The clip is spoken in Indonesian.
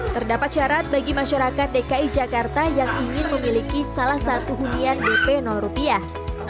terdapat syarat bagi masyarakat dki jakarta yang ingin memiliki salah satu hunian dp rupiah